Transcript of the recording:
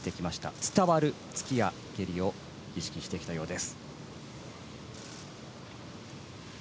伝わる蹴りや突きを意識してきたようです。